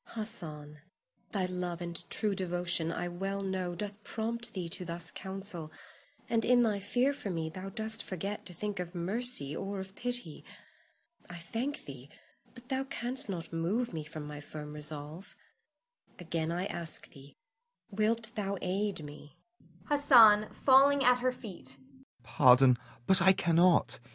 Hassan, thy love and true devotion, I well know, doth prompt thee to thus counsel, and in thy fear for me thou dost forget to think of mercy or of pity. I thank thee; but thou canst not move me from my firm resolve. Again I ask thee, Wilt thou aid me? Hassan [falling at her feet]. Pardon, but I cannot.